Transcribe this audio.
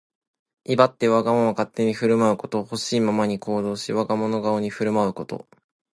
威張ってわがまま勝手に振る舞うこと。ほしいままに行動し、我が物顔に振る舞うこと。